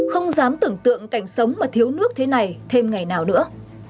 không dám tưởng tượng cảnh sống mà thiếu nước thế này thêm ngày nào nữa